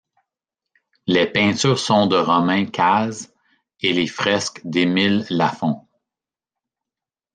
Les peintures sont de Romain Cazes et les fresques d'Émile Laffon.